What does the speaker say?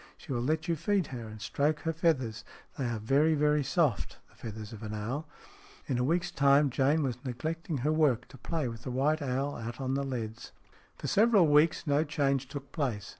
She will let you feed her and stroke her feathers. They are very, very soft, the feathers of an owl." In a week's time Jane was neglecting her work to play with the white owl out on the leads. VII FOR several weeks no change took place.